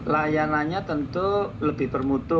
layanannya tentu lebih bermutu